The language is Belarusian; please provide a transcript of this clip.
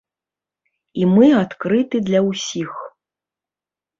І мы адкрыты для ўсіх.